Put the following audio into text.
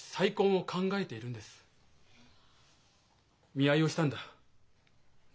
見合いをしたんだ。